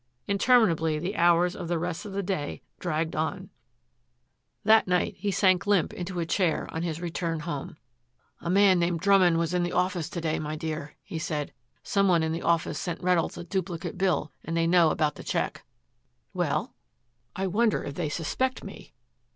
Interminably the hours of the rest of the day dragged on. That night he sank limp into a chair on his return home. "A man named Drummond was in the office to day, my dear," he said. "Some one in the office sent Reynolds a duplicate bill, and they know about the check." "Well?" "I wonder if they suspect me?"